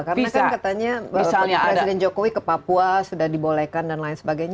karena kan katanya presiden jokowi ke papua sudah dibolehkan dan lain sebagainya